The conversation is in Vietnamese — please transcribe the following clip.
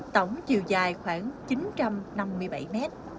tổng chiều dài khoảng chín trăm năm mươi bảy mét